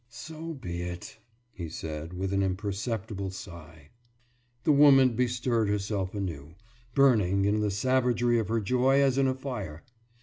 »So be it!« he said, with an imperceptible sigh. The woman bestirred herself anew, burning in the savagery of her joy as in a fire.